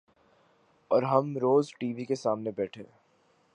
اور ہم روز ٹی وی کے سامنے بیٹھے